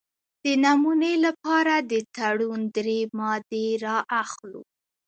د نمونې لپاره د تړون درې مادې را اخلو.